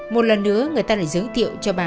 một lần nữa người ta lại giới thiệu cho bà